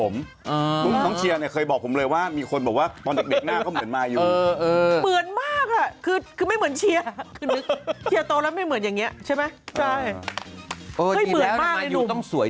ไม่ถึงอาหน้าอาจจะถ่ายหมดมั้ย